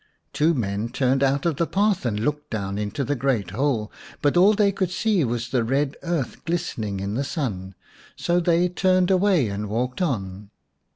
Two men turned out of the path and looked down into the great hole, but all they could see was the red earth glistening in the sun, so they turned away and walked on.